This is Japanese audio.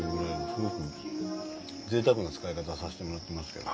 すごく贅沢な使い方させてもらってますけど。